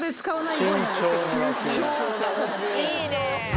いいね。